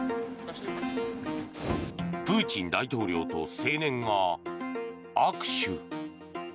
プーチン大統領と青年が握手。